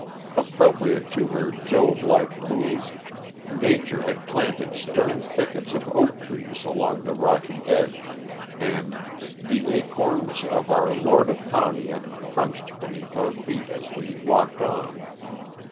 Appropriate to her Jove like mood, Nature had planted stern thickets of oak trees along the rocky edge, and "the acorns of our lord of Chaonia" crunched beneath our feet as we walked on.